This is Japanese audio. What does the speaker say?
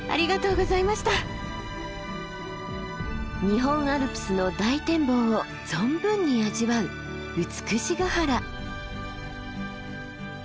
日本アルプスの大展望を存分に味わう美ヶ原。